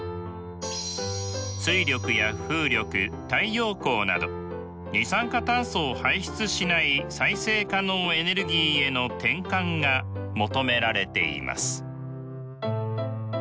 水力や風力太陽光など二酸化炭素を排出しない再生可能エネルギーへの転換が求められています。